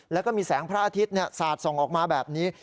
แล้วก็มีแสงพระอาทิตย์สาดส่องออกมาแบบนี้